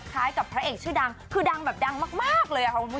คล้ายกับพระเอกชื่อดังคือดังแบบดังมากเลยค่ะคุณผู้ชม